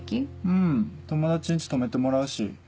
うん友達ん家泊めてもらうし。